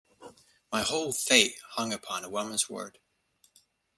My whole fate hung upon a woman's word.